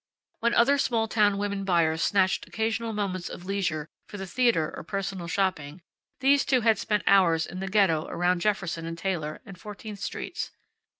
When other small town women buyers snatched occasional moments of leisure for the theater or personal shopping, these two had spent hours in the ghetto around Jefferson and Taylor, and Fourteenth Streets.